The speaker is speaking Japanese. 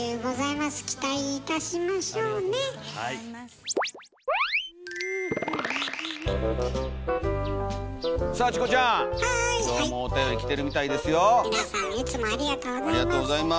皆さんいつもありがとうございます。